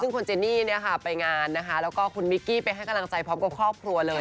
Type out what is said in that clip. ซึ่งคุณเจนี่ไปงานนะคะแล้วก็คุณมิกกี้ไปให้กำลังใจพร้อมกับครอบครัวเลย